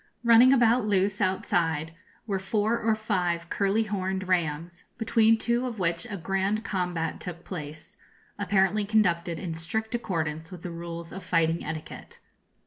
Running about loose, outside, were four or five curly horned rams, between two of which a grand combat took place, apparently conducted in strict accordance with the rules of fighting etiquette.